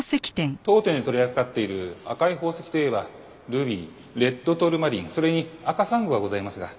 当店で取り扱っている赤い宝石といえばルビーレッドトルマリンそれに赤珊瑚がございますが。